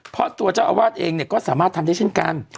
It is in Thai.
เพราะตัวเจ้าอาวาสเองเนี่ยก็สามารถทำได้เช่นกัน